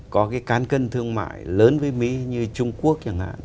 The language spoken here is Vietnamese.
có cái cán cân thương mại lớn với mỹ như trung quốc chẳng hạn